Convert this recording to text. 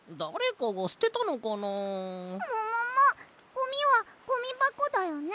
ゴミはゴミばこだよね。